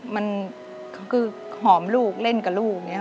มันคือหอมลูกเล่นกับลูก